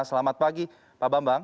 selamat pagi pak bambang